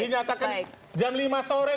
dinyatakan jam lima sore